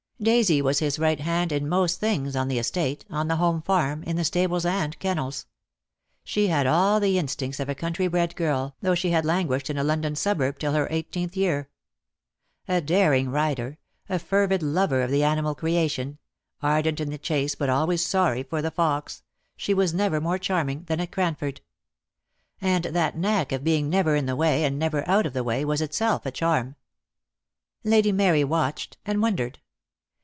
Daisy was his right hand in most things on the DEAD LOVE HAS CHAINS. 1293 estate, on the home farm, in the stables and kennels. She had all the instincts of a country bred girl, though she had languished in a London suburb till her eighteenth year. A daring rider, a fervid lover of the animal creation, ardent in the chase but always sorry for the fox, she was never more charming than at Cranford. And that knack of being never in the way and never out of the way was itself a charm. Lady Mary watched and wondered.